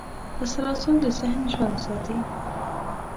تسلسل د ذهن ژوند ساتي.